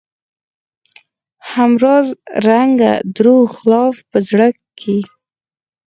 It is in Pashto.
هم هزار رنګه دروغ خلاف په زړه کې